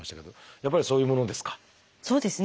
やっぱりそういうものですか？